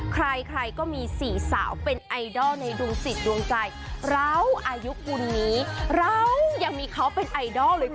ใครก็มีสี่สาวเป็นไอดอลในดวงสิทธิ์ดวงใจร้าวอายุกุนนี้ร้าวยังมีเขาเป็นไอดอลเลยคุณ